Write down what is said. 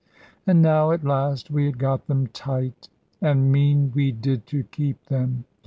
And now at last we had got them tight; and mean we did to keep them.